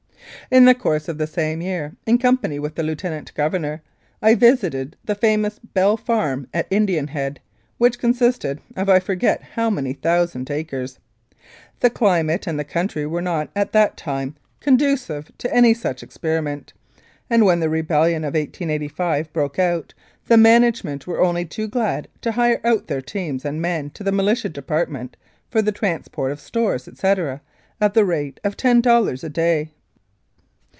In the course of the same year, in company with the Lieutenant Governor, I visited the famous Bell Farm at Indian Head, which consisted of I forget how many thousand acres. The climate and the country were not, at that time, conducive to any such experi ment, and when the rebellion of 1885 broke out the management were only too glad to hire out their teams and men to the Militia Department for the transport of stores, etc., at the rate of ten dollars a day.